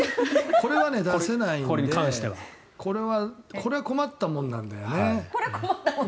これは出せないのでこれは困ったもんなんだよね。